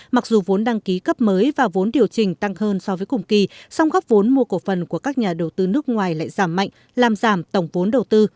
mặc dù vốn đăng ký cấp mới và vốn điều chỉnh tăng hơn so với cùng kỳ song góp vốn mua cổ phần của các nhà đầu tư nước ngoài lại giảm mạnh làm giảm tổng vốn đầu tư